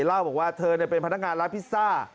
เล่าบอกว่าเธอเป็นพนักงานร้านพิซซ่า